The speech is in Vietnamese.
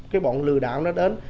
cái bọn lừa đảo nó đến